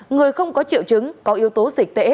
người không có triệu chứng có yếu tố dịch tễ